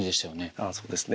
ああそうですね。